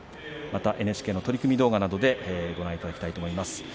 またＮＨＫの取組動画などで見ていただきたいと思います。